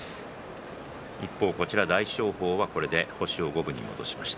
一方、大翔鵬はこれで星を五分に戻しました。